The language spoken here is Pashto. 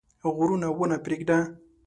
غرونه ونه پرېږده.